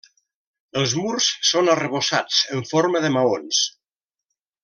Els murs són arrebossats en forma de maons.